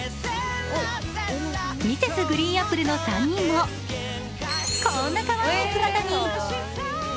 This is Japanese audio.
Ｍｒｓ．ＧＲＥＥＮＡＰＰＬＥの３人も、こんなかわいい姿に。